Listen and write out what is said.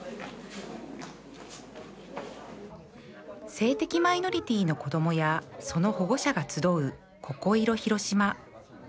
性的マイノリティーの子どもやその保護者が集うここいろ ｈｉｒｏｓｈｉｍａ